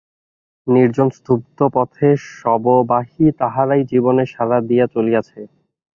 নির্জন স্তব্ধ পথে শববাহী তাহারাই জীবনের সাড়া দিয়া চলিয়াছে।